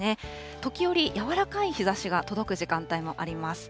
時折、柔らかい日ざしが届く時間帯もあります。